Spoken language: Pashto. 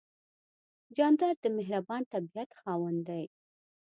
جانداد د مهربان طبیعت خاوند دی.